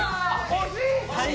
惜しい！